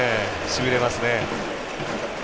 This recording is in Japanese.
しびれますね。